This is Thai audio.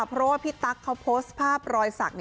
เพราะว่าพี่ตั๊กเขาโพสต์ภาพรอยสัก